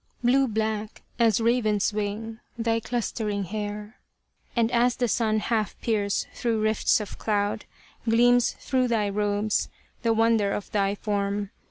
Blue black, as raven's wing, thy clustering hair : And as the sun half peers through rifts of cloud, Gleams through thy robes the wonder of thy form.